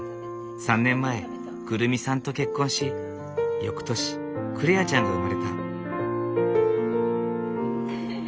３年前来未さんと結婚し翌年來愛ちゃんが生まれた。